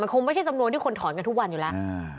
คงไม่ใช่จำนวนที่คนถอนกันทุกวันอยู่แล้ว